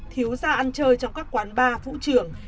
thiếu ra ăn chơi trong các quán bar vũ trường